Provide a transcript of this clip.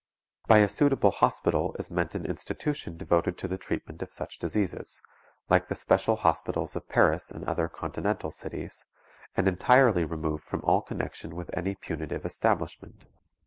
By a suitable hospital is meant an institution devoted to the treatment of such diseases, like the special hospitals of Paris and other Continental cities, and entirely removed from all connection with any punitive establishment.